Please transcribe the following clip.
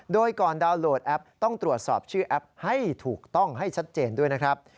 โดยก่อนดาวน์โหลดแอปต้องตรวจสอบชื่อแอปให้ถูกต้องให้ชัดเจนด้วยนะครับ